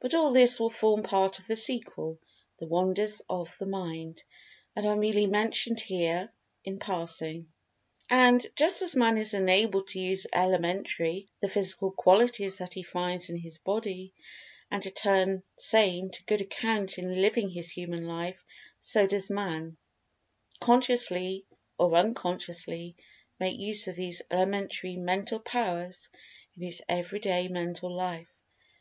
But all this will form part of the sequel, "The Wonders of The Mind," and are merely mentioned here in passing. And, just as Man is enabled to use elementary the physical qualities that he finds in his body, and to turn same to good account in living his human life, so does man, consciously, or unconsciously, make use of these elementary Mental powers in his everyday mental life.